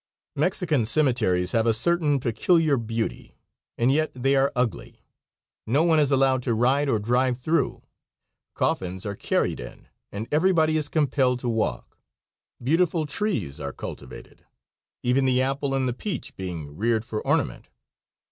Mexican cemeteries have a certain peculiar beauty, and yet they are ugly. No one is allowed to ride or drive through; coffins are carried in and everybody is compelled to walk. Beautiful trees are cultivated, even the apple and the peach being reared for ornament.